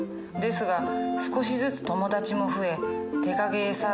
ですが少しずつ友達も増え手影絵